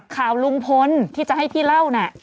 ข่าวลุงพลที่จะให้พี่เล่าน่ะ